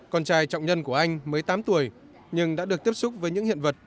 con trai trọng nhân của anh mới tám tuổi nhưng đã được tiếp xúc với những hiện vật